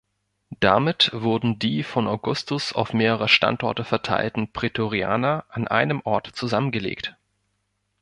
Damit wurden die von Augustus auf mehrere Standorte verteilten Prätorianer an einem Ort zusammengelegt.